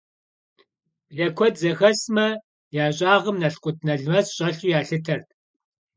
Блэ куэд зэхэсмэ, я щӀагъым налкъут-налмэс щӀэлъу ялъытэрт.